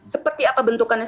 seperti apa bentukannya